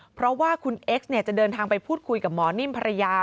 เพราะว่าคุณเอ็กซ์จะเดินทางไปพูดคุยกับหมอนิ่มภรรยา